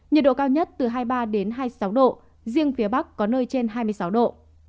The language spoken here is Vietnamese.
nhiệt độ cao nhất từ hai mươi ba hai mươi sáu độ riêng phía bắc có nơi trên hai mươi sáu độ